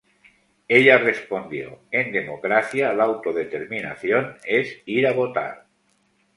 Ella respondió "En democracia, la autodeterminación es ir a votar.